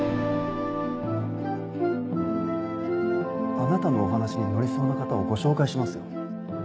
あなたのお話に乗りそうな方をご紹介しますよ。